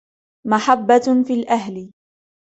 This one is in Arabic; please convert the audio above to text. مَحَبَّةٌ فِي الْأَهْلِ